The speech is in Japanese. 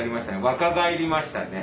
若返りましたね。